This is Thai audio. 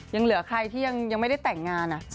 ยังเหลือใครที่ยังไม่ได้แต่งงาน